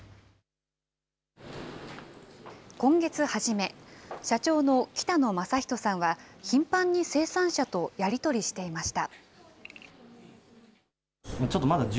今月初め、社長の北野雅史さんは、頻繁に生産者とやり取りしていました。